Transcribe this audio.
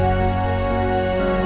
siap rh paka prze param